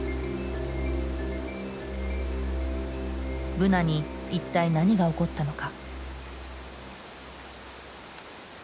ブナに一体何が起こったのか？